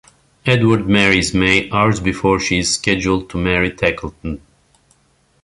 Edward marries May hours before she is scheduled to marry Tackleton.